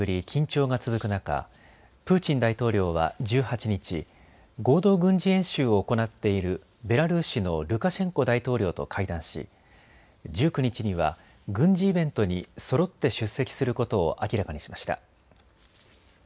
緊張が続く中、プーチン大統領は１８日、合同軍事演習を行っているベラルーシのルカシェンコ大統領と会談し１９日には軍事イベントにそろって出席することを明らかにしました。